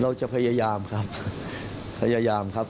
พยายามครับพยายามครับ